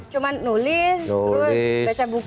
cuma nulis terus baca buku